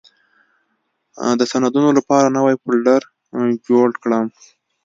د سندونو لپاره نوې فولډر جوړه کړم.